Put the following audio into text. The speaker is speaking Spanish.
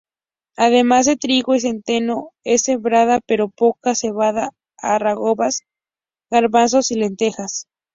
Además de trigo y centeno se sembraba, pero poca, cebada, algarrobas, garbanzos y lentejas.